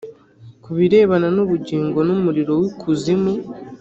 ku birebana n’ubugingo n’umuriro w’ikuzimu